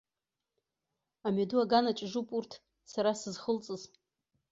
Амҩаду аган аҿы ижуп урҭ, сара сызхылҵыз.